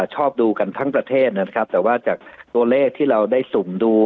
ชอบดูกันทั้งประเทศนะครับแต่ว่าจากตัวเลขที่เราได้สุ่มดู